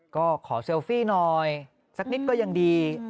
ก็ขอเซลฟี่หน่อยสักนิดก็ยังดี